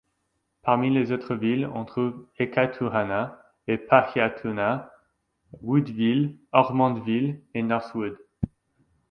Parmi les autres villes on trouve Eketahuna et Pahiatuna, Woodville, Ormondville, et Norsewood.